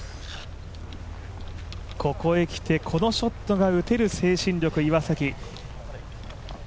ここへきて、このショットが打てる精神力、岩崎。